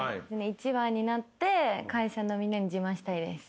１番になって会社のみんなに自慢したいです。